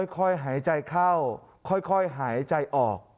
ค่อยหายใจเข้าค่อยหายใจออก